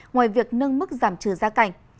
ngoài việc nâng mức giảm trừ gia cảnh